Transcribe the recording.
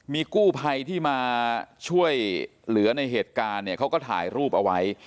มีกู้ภัยที่มาช่วยเหลือในเหตุการณ์เนี่ยเขาก็ถ่ายรูปเอาไว้